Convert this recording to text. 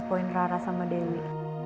berarah sama dewi